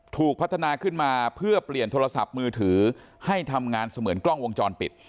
ถูกพัฒนาขึ้นมาเพื่อเปลี่ยนโทรศัพท์มือถือให้ทำงานเสมือนกล้องวงจรปิด